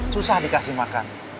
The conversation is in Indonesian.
susah dikasih makan